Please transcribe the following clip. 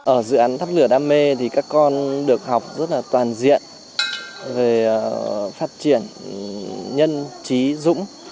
ở dự án thắp lửa đam mê thì các con được học rất là toàn diện về phát triển nhân trí dũng